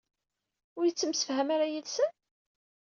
Ur yettemsefham ara yid-sen?